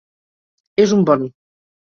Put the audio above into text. És un bon.